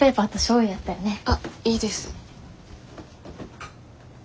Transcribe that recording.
あっいいです。